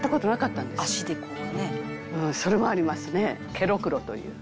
「蹴ろくろという」